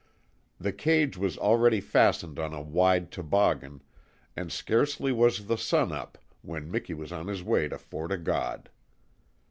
The cage was already fastened on a wide toboggan, and scarcely was the sun up when Miki was on his way to Fort O' God.